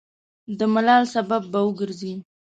د ملال سبب به وګرځي.